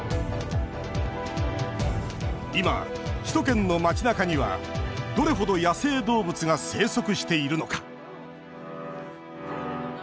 今、首都圏の街なかにはどれほど野生動物が生息しているのか。